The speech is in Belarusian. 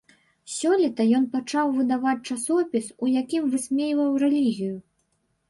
Сёлета ён пачаў выдаваць часопіс, у якім высмейваў рэлігію.